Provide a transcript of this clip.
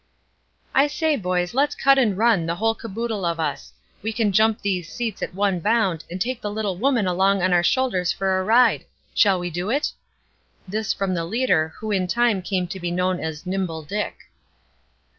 "I say, boys, let's cut and run, the whole caboodle of us. We can jump these seats at one bound, and take the little woman along on our shoulders for a ride! Shall we do it?" This from the leader, who in time came to be known as "Nimble Dick."